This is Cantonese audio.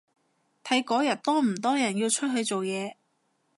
睇嗰日多唔多人要出去做嘢